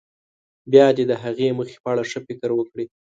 بیا دې د هغې موخې په اړه ښه فکر وکړي.